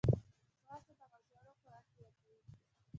ځغاسته د عضلو قوت زیاتوي